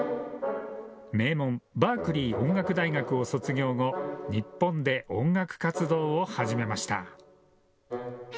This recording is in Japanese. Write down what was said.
名門、バークリー音楽大学を卒業後、日本で音楽活動を始めました。